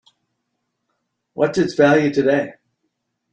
What's its value today?